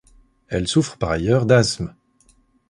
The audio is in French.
Elle souffre par ailleurs d'asthme.